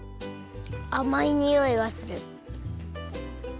あまいにおいがする。